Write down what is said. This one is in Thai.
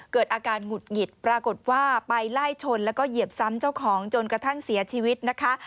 เกิดอาการหงุดหงิดปรากฏว่าไปไล่ชนแล้วก็เหยียบซ้ำเจ้าของจนกระทั่งเสียชีวิตนะคะ